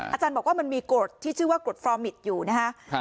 อาจารย์บอกว่ามันมีกรดที่ชื่อว่ากรดฟอร์มิตอยู่นะฮะ